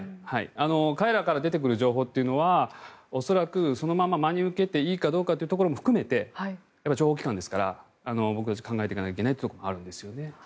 彼らから出てくる情報というのは恐らくそのまま真に受けていいかというところも含めて諜報機関ですから僕たち、考えていかないといけないところもあるんですね。